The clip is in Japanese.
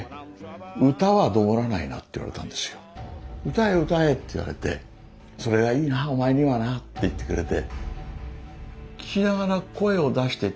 「歌え歌え」って言われて「それがいいなお前にはな」って言ってくれて。